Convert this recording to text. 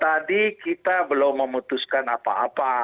tadi kita belum memutuskan apa apa